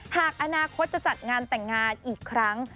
หากอนาคตจะจัดงานแต่งงานอีกครั้ง